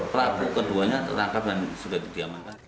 pelaku keduanya tertangkap dan sudah diamankan